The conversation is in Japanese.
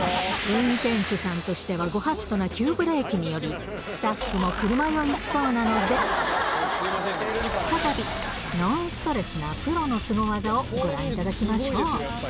運転手さんとしてはご法度な急ブレーキにより、スタッフも車酔いしそうなので、再び、ノンストレスなプロのスゴ技をご覧いただきましょう。